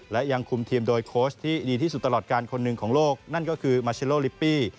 และยังคุมทีมโดยโค้ชที่ดีที่สุดตลอดการคนหนึ่งของโลกนั่นก็คือมาเชโลลิปปี้